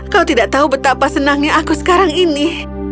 kau tidak tahu betapa senangnya aku sekarang ini